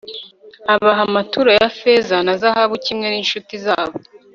abaha amaturo ya feza na zahabu kimwe n'incuti zabo